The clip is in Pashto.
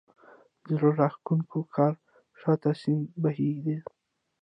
د زړه راکښونکي کور شا ته سیند بهېده.